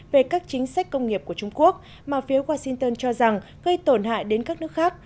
về các chính sách công nghiệp của trung quốc mà phiếu washington cho rằng gây tổn hại đến các nước khác